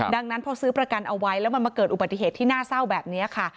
ดังนั้นพอซื้อประกันเอาไว้แล้วมันมาเกิดอุบัติเหตุที่น่าเศร้าแบบนี้ค่ะ